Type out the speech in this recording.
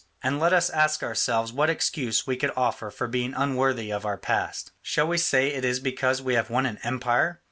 And let us ask ourselves what excuse we could offer for being unworthy of our past. Shall we say it is because we have won an empire?